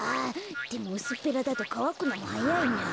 でもうすっぺらだとかわくのもはやいなぁ。